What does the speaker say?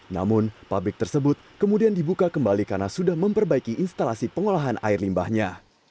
namun pabrik tersebut kemudian dibuka kembali karena sudah memperbaiki instalasi pengolahan air limbahnya